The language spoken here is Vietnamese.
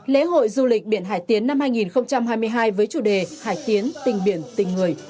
lễ hội du lịch biển hải tiến năm hai nghìn hai mươi hai với chủ đề hải tiến tình biển tình người